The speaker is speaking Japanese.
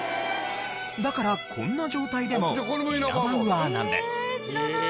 だからこんな状態でもイナバウアーなんです。